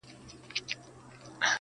د ژوند دوهم جنم دې حد ته رسولی يمه.